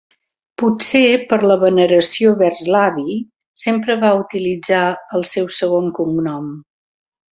Potser per la veneració vers l'avi sempre va utilitzar el seu segon cognom.